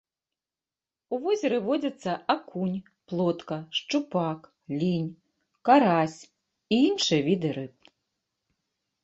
У возеры водзяцца акунь, плотка, шчупак, лінь, карась і іншыя віды рыб.